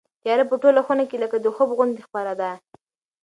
تیاره په ټوله خونه کې لکه د خوب غوندې خپره ده.